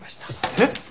えっ？